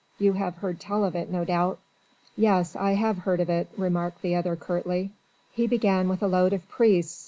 You have heard tell of it no doubt." "Yes. I have heard of it," remarked the other curtly. "He began with a load of priests.